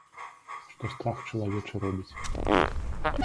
Што страх чалавечы робіць!